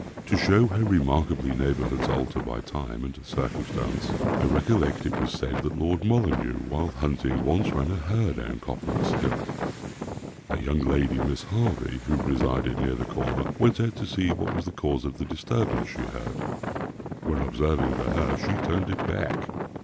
To show how remarkably neighbourhoods alter by time and circumstance, I recollect it was said that Lord Molyneux, while hunting, once ran a hare down Copperas hill. A young lady, Miss Harvey, who resided near the corner, went out to see what was the cause of the disturbance she heard, when observing the hare, she turned it back.